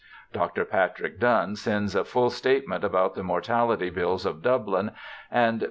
Dr. Patrick Dun sends a full statement about the mortality bills of Dublin, and pp.